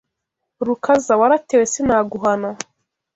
Rukaza waratewe sinaguhana